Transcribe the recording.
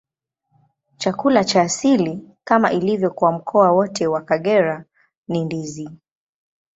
Chakula cha asili, kama ilivyo kwa mkoa wote wa Kagera, ni ndizi.